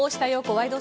ワイド！